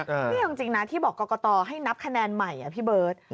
นี่เอาจริงนะที่บอกกรกตให้นับคะแนนใหม่พี่เบิร์ต